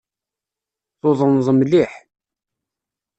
Tudneḍ mliḥ.